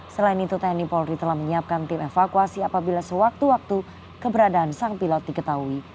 selain itu tni polri telah menyiapkan tim evakuasi apabila sewaktu waktu keberadaan sang pilot diketahui